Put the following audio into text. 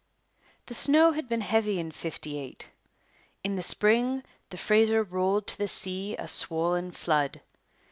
The snowfall had been heavy in '58. In the spring the Fraser rolled to the sea a swollen flood.